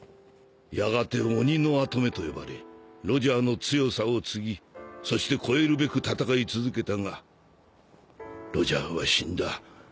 やがて”鬼”の跡目と呼ばれロジャーの強さを継ぎそして超えるべく戦い続けたがロジャーは死んだ。